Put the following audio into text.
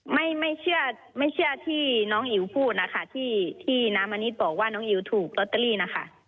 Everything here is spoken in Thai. ไม่ไม่เชื่อไม่เชื่อที่น้องอิ๋วพูดนะคะที่ที่น้ำมณิชย์บอกว่าน้องอิ๋วถูกลอตเตอรี่นะคะ